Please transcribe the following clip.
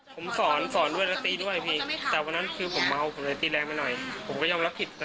ก็เพราะว่าเราทุกผู้แบบนี้ครับมโมโหพี่